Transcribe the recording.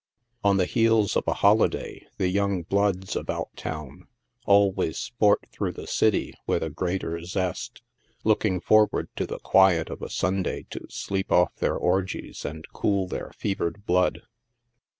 On the heels of a holiday the young " bloods" about town always sport through the city with a greater zest, looking forward to the quiet of a Sunday to sleep off their orgies and cool their fe vered blood.